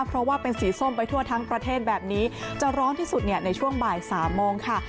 เพราะว่าเป็นสีส้มไปทั่วทั้งประเทศแบบนี้จะร้อนที่สุดในช่วงบ่าย๓โมงค่ะ